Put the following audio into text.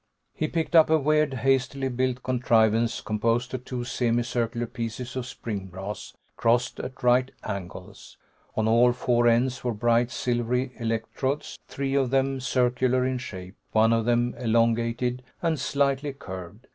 He picked up a weird, hastily built contrivance composed of two semi circular pieces of spring brass, crossed at right angles. On all four ends were bright silvery electrodes, three of them circular in shape, one of them elongated and slightly curved.